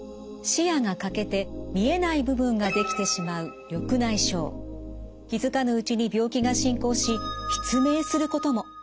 視野が欠けて見えない部分が出来てしまう気付かぬうちに病気が進行し失明することも。